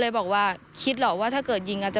ไลน์ขอความช่วยเหลือจากเพื่อนฟังเสียหายดูนะคะ